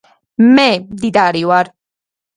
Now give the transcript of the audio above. მე მდიდარი ვარ